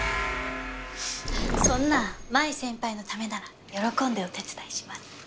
そんな真衣先輩のためなら喜んでお手伝いします。